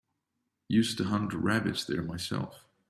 Used to hunt rabbits there myself.